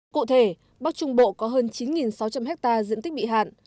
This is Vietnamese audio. cụ thể bắc trung bộ có hơn chín sáu trăm linh hectare diện tích bị hạn